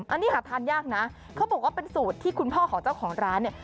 อันนี้หาทานยากนะเขาบอกว่าเป็นสูตรที่คุณพ่อของเจ้าของร้านเนี่ย